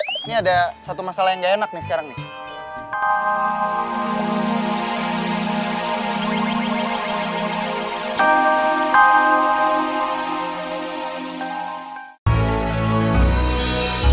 ini ada satu masalah yang gak enak nih sekarang nih